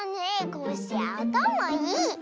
コッシーあたまいい！